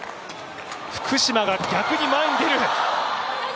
福島が逆に前に出る！